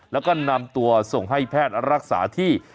แล้วก็นำตัวส่งให้แพทย์รักษาที่